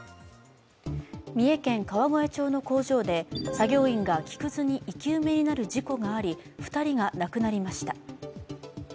三重県川越町にある工場で作業員が木くずに生き埋めになる事故があり２人が亡くなりました。